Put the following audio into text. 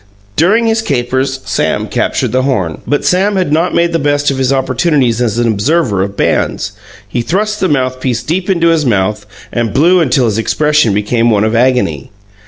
During his capers, Sam captured the horn. But Sam had not made the best of his opportunities as an observer of bands; he thrust the mouthpiece deep into his mouth, and blew until his expression became one of agony.